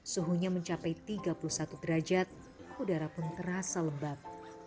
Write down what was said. suhunya mencapai tiga puluh satu derajat udara pun terasa lembab